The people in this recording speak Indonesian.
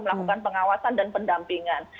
melakukan pengawasan dan pendampingan